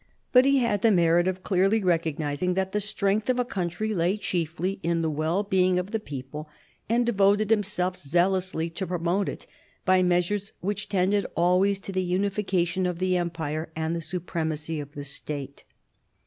But he had the merit of clt^jy recognising that the strength of a country lay chiefly in the wellbeing of the people, and devoted himself zealously to promote it by measures which tended alwa>r S to the unification of the Empire and the supremacy f the State.